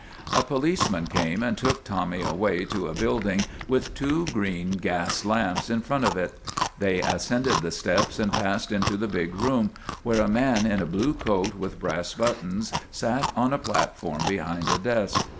A policeman came and took Tommy away to a building with two green gas lamps in front of it. They ascended the steps and passed into a big room where a man in a blue coat with brass buttons sat on a platform behind a desk.